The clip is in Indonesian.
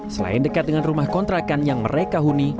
selain dekat dengan rumah kontrakan yang mereka huni